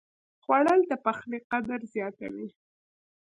خوړل د پخلي قدر زیاتوي